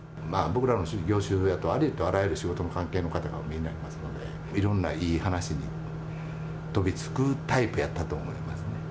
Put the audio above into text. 僕らの業種やと、ありとあらゆる仕事の関係の方がお見えになりますので、いろんないい話に飛びつくタイプやったと思いますね。